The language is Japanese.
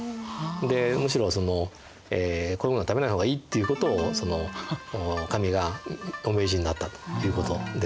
でむしろこういうものは食べない方がいいっていうことを神がお命じになったということですね。